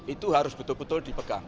itu harus betul betul dipegang